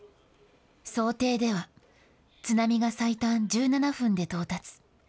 想定では、津波が最短１７分で到達。